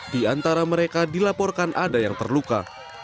di antara mereka dilaporkan ada yang terluka